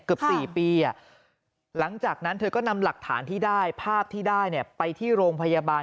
เกือบ๔ปีหลังจากนั้นเธอก็นำหลักฐานที่ได้ภาพที่ได้ไปที่โรงพยาบาล